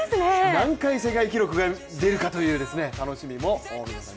何回世界記録が出るかという楽しみも皆さん